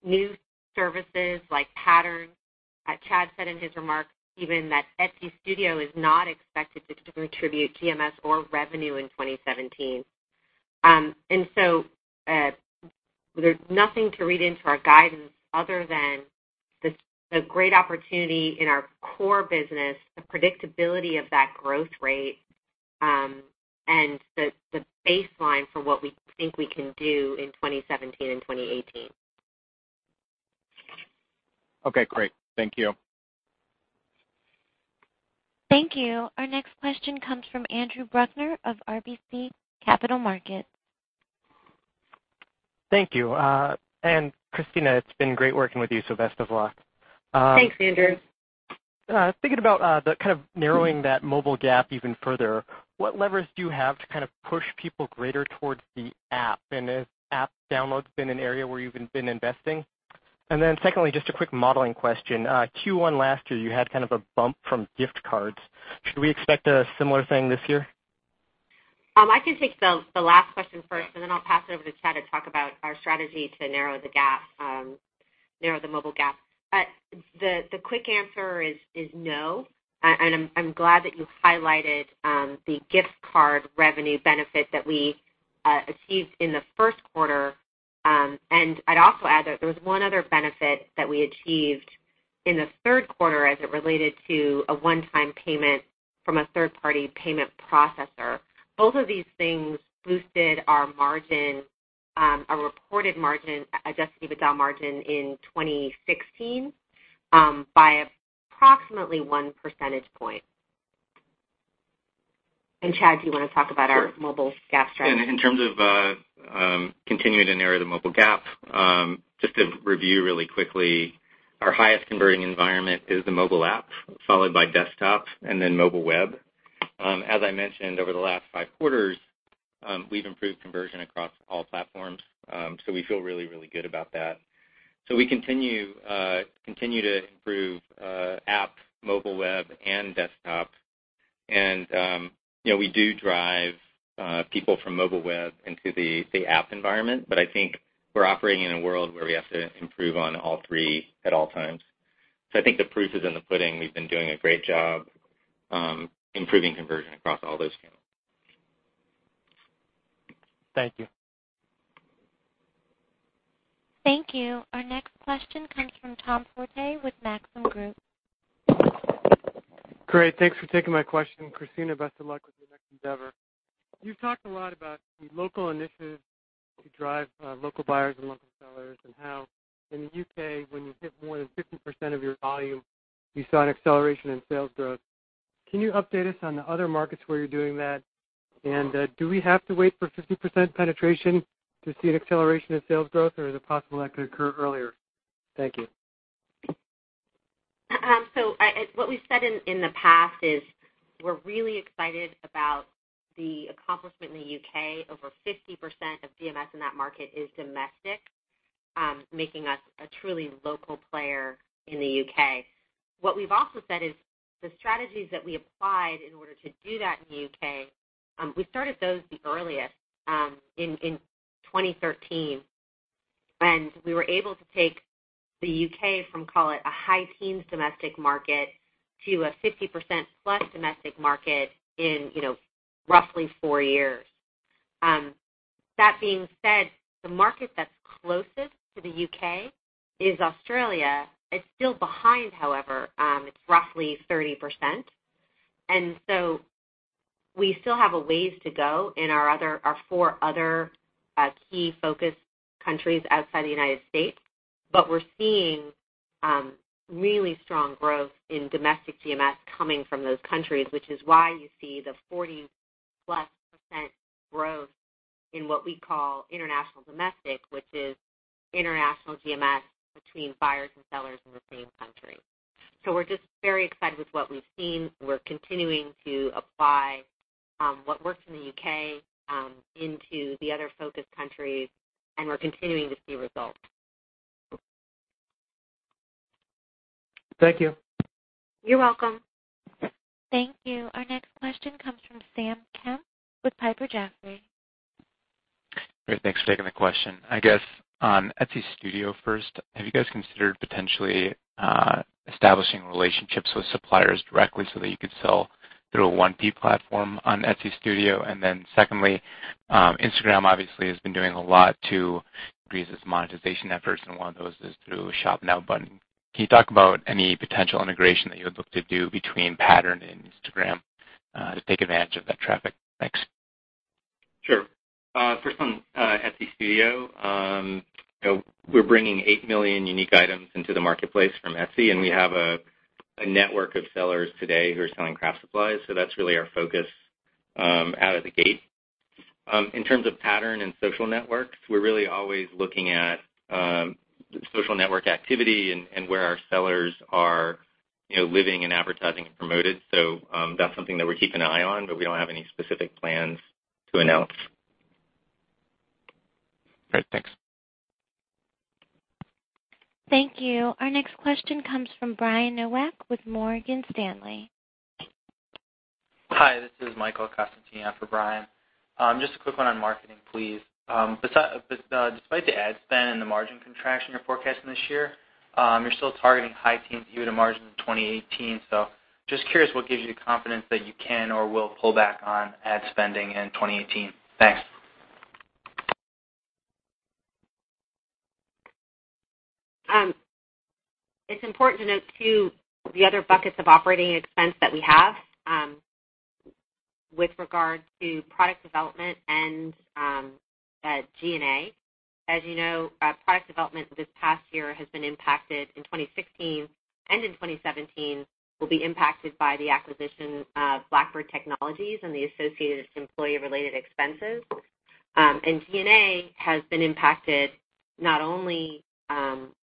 S4: new services like Pattern. Chad said in his remarks even that Etsy Studio is not expected to contribute GMS or revenue in 2017. There is nothing to read into our guidance other than the great opportunity in our core business, the predictability of that growth rate, and the baseline for what we think we can do in 2017 and 2018.
S6: Okay, great. Thank you.
S1: Thank you. Our next question comes from Andrew Bruckner of RBC Capital Markets.
S7: Thank you. Kristina, it's been great working with you, so best of luck.
S4: Thanks, Andrew.
S7: Thinking about the kind of narrowing that mobile gap even further, what levers do you have to kind of push people greater towards the app? Has app downloads been an area where you've been investing? Then secondly, just a quick modeling question. Q1 last year, you had kind of a bump from gift cards. Should we expect a similar thing this year?
S4: I can take the last question first. Then I'll pass it over to Chad to talk about our strategy to narrow the mobile gap. The quick answer is no. I'm glad that you highlighted the gift card revenue benefit that we achieved in the first quarter. I'd also add that there was one other benefit that we achieved in the third quarter as it related to a one-time payment from a third-party payment processor. Both of these things boosted our margin, our reported margin, adjusted EBITDA margin in 2016, by approximately one percentage point. Chad, do you want to talk about our mobile gap strategy?
S3: Sure. In terms of continuing to narrow the mobile gap, just to review really quickly, our highest converting environment is the mobile app, followed by desktop, and then mobile web. As I mentioned, over the last five quarters, we've improved conversion across all platforms, we feel really, really good about that. We continue to improve app, mobile web, and desktop. We do drive people from mobile web into the app environment, but I think we're operating in a world where we have to improve on all three at all times. I think the proof is in the pudding. We've been doing a great job improving conversion across all those channels.
S7: Thank you.
S1: Thank you. Our next question comes from Tom Forte with Maxim Group.
S8: Thanks for taking my question. Kristina, best of luck with your next endeavor. You've talked a lot about the local initiatives to drive local buyers and local sellers, and how in the U.K., when you hit more than 50% of your volume, you saw an acceleration in sales growth. Can you update us on the other markets where you're doing that? Do we have to wait for 50% penetration to see an acceleration in sales growth, or is it possible that could occur earlier? Thank you.
S4: What we've said in the past is we're really excited about the accomplishment in the U.K. Over 50% of GMS in that market is domestic. Making us a truly local player in the U.K. What we've also said is the strategies that we applied in order to do that in the U.K., we started those the earliest, in 2013. We were able to take the U.K. from, call it, a high teens domestic market to a 50%-plus domestic market in roughly four years. That being said, the market that's closest to the U.K. is Australia. It's still behind, however. It's roughly 30%. We still have a ways to go in our four other key focus countries outside the United States. We're seeing really strong growth in domestic GMS coming from those countries, which is why you see the 40%-plus growth in what we call international domestic, which is international GMS between buyers and sellers in the same country. We're just very excited with what we've seen. We're continuing to apply what works in the U.K. into the other focus countries, and we're continuing to see results.
S8: Thank you.
S4: You're welcome.
S1: Thank you. Our next question comes from Samuel Kemp with Piper Jaffray.
S9: Great. Thanks for taking the question. I guess on Etsy Studio first, have you guys considered potentially establishing relationships with suppliers directly so that you could sell through a 1P platform on Etsy Studio? Secondly, Instagram obviously has been doing a lot to increase its monetization efforts, and one of those is through a Shop Now button. Can you talk about any potential integration that you would look to do between Pattern and Instagram to take advantage of that traffic? Thanks.
S3: Sure. First on Etsy Studio, we're bringing eight million unique items into the marketplace from Etsy, and we have a network of sellers today who are selling craft supplies. That's really our focus out of the gate. In terms of Pattern and social networks, we're really always looking at social network activity and where our sellers are living and advertising and promoted. That's something that we keep an eye on, but we don't have any specific plans to announce.
S9: Great. Thanks.
S1: Thank you. Our next question comes from Brian Nowak with Morgan Stanley.
S10: Hi, this is Michael Costantino for Brian. Just a quick one on marketing, please. Despite the ad spend and the margin contraction you're forecasting this year, you're still targeting high teens EBITDA margin in 2018. Just curious what gives you the confidence that you can or will pull back on ad spending in 2018. Thanks.
S4: It's important to note, too, the other buckets of operating expense that we have with regard to product development and G&A. As you know, product development this past year has been impacted in 2016 and in 2017 will be impacted by the acquisition of Blackbird Technologies and the associated employee-related expenses. G&A has been impacted not only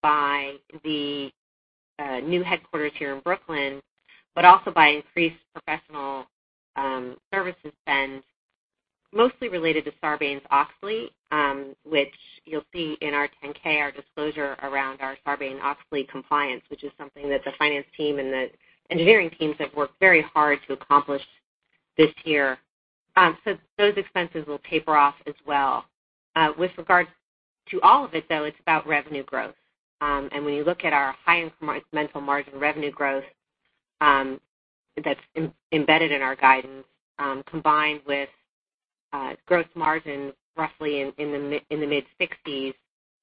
S4: by the new headquarters here in Brooklyn, but also by increased professional services spend, mostly related to Sarbanes-Oxley, which you'll see in our 10-K, our disclosure around our Sarbanes-Oxley compliance, which is something that the finance team and the engineering teams have worked very hard to accomplish this year. Those expenses will taper off as well. With regards to all of it, though, it's about revenue growth. When you look at our high incremental margin revenue growth that's embedded in our guidance, combined with gross margin roughly in the mid-60s,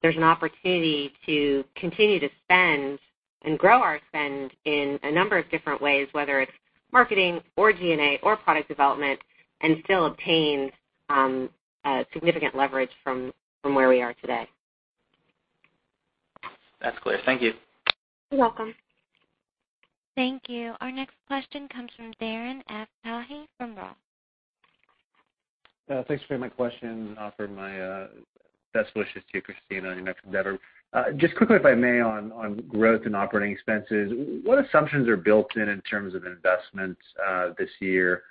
S4: there's an opportunity to continue to spend and grow our spend in a number of different ways, whether it's marketing or G&A or product development, and still obtain significant leverage from where we are today.
S10: That's clear. Thank you.
S4: You're welcome.
S1: Thank you. Our next question comes from Darren Aftahi from ROTH.
S11: Thanks for taking my question. Offer my best wishes to you, Kristina, on your next endeavor. Just quickly, if I may, on growth and operating expenses, what assumptions are built in in terms of investments this year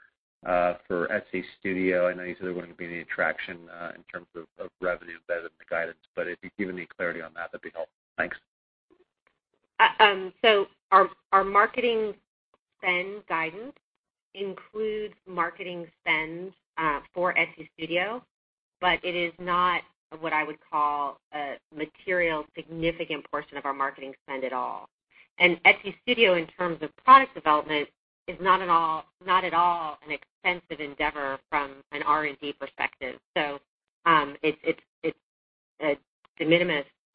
S11: for Etsy Studio? I know you said there wouldn't be any traction in terms of revenue embedded in the guidance, but if you can give me any clarity on that'd be helpful. Thanks.
S4: Our marketing spend guidance includes marketing spend for Etsy Studio, but it is not what I would call a material significant portion of our marketing spend at all. Etsy Studio, in terms of product development, is not at all an extensive endeavor from an R&D perspective.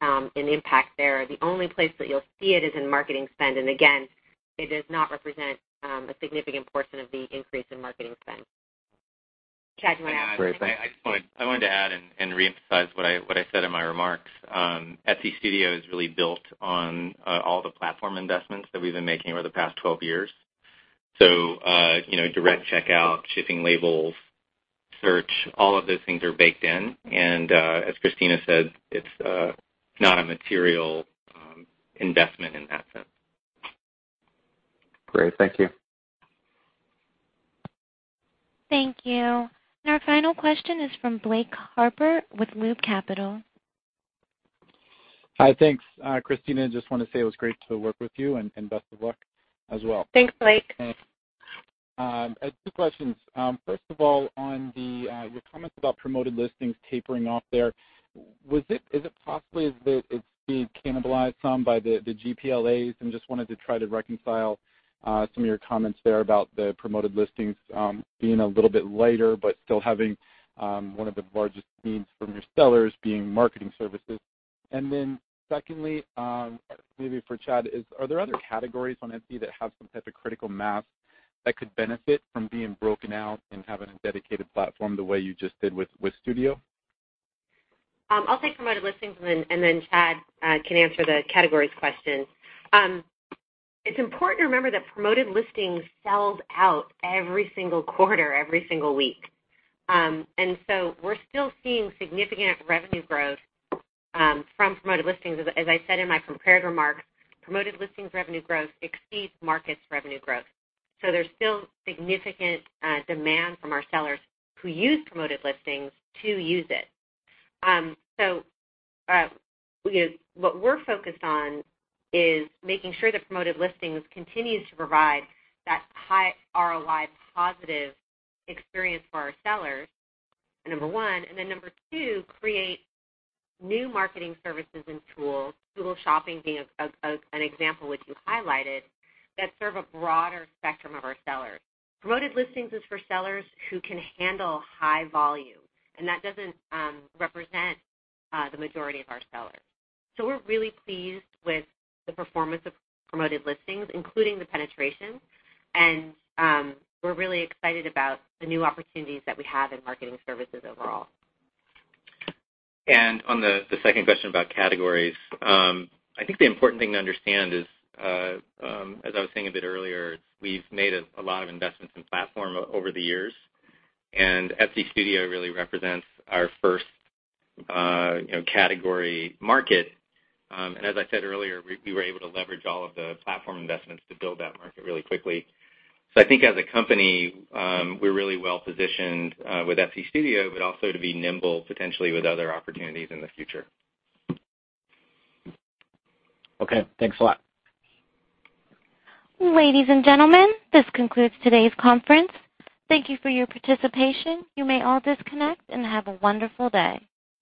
S4: It's de minimis in impact there. The only place that you'll see it is in marketing spend. Again, it does not represent a significant portion of the increase in marketing spend. Chad, do you want to add?
S3: I just wanted to add and reemphasize what I said in my remarks. Etsy Studio is really built on all the platform investments that we've been making over the past 12 years. Direct Checkout, shipping labels, search, all of those things are baked in. As Kristina said, it's not a material investment in that sense.
S11: Great. Thank you.
S1: Thank you. Our final question is from Blake Harper with Loop Capital.
S12: Hi. Thanks, Kristina. Just want to say it was great to work with you and best of luck as well.
S4: Thanks, Blake.
S12: Two questions. First of all, on your comments about Promoted Listings tapering off there, is it possibly that it's being cannibalized some by the GPLAs? Just wanted to try to reconcile some of your comments there about the Promoted Listings being a little bit lighter, but still having one of the largest needs from your sellers being marketing services. Secondly, maybe for Chad is, are there other categories on Etsy that have some type of critical mass that could benefit from being broken out and having a dedicated platform the way you just did with Studio?
S4: I'll take Promoted Listings, then Chad can answer the categories question. It's important to remember that Promoted Listings sells out every single quarter, every single week. We're still seeing significant revenue growth from Promoted Listings. As I said in my prepared remarks, Promoted Listings revenue growth exceeds markets revenue growth. There's still significant demand from our sellers who use Promoted Listings to use it. What we're focused on is making sure that Promoted Listings continues to provide that high ROI, positive experience for our sellers, number one. Number two, create new marketing services and tools, Google Shopping being an example, which you highlighted, that serve a broader spectrum of our sellers. Promoted Listings is for sellers who can handle high volume, and that doesn't represent the majority of our sellers. We're really pleased with the performance of Promoted Listings, including the penetration. We're really excited about the new opportunities that we have in marketing services overall.
S3: On the second question about categories, I think the important thing to understand is, as I was saying a bit earlier, we've made a lot of investments in platform over the years, Etsy Studio really represents our first category market. As I said earlier, we were able to leverage all of the platform investments to build that market really quickly. I think as a company, we're really well positioned with Etsy Studio, but also to be nimble potentially with other opportunities in the future.
S12: Okay, thanks a lot.
S1: Ladies and gentlemen, this concludes today's conference. Thank you for your participation. You may all disconnect and have a wonderful day.